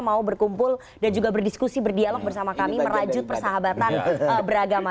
mau berkumpul dan juga berdiskusi berdialog bersama kami merajut persahabatan beragama